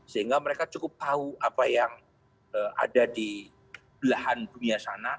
sehingga mereka cukup tahu apa yang ada di belahan dunia sana